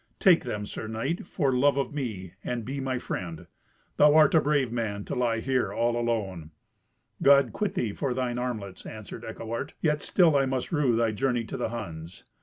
"Take them, Sir Knight, for love of me, and be my friend. Thou art a brave man to lie here all alone." "God quit thee for thine armlets," answered Eckewart. "Yet still I must rue thy journey to the Huns.